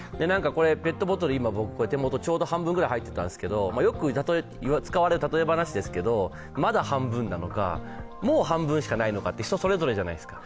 ペットボトル、今手元ちょうど半分ぐらい入っていたんですけどよく使われる例え話ですが、まだ半分なのか、もう半分しかないのかって、人それぞれじゃないですか。